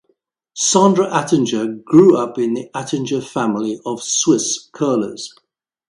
Sandra Attinger grew up in the Attinger family of Swiss curlers.